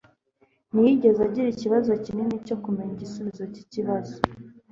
Ntiyigeze agira ikibazo kinini cyo kumenya igisubizo cyikibazo